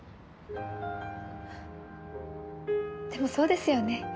でもそうですよね。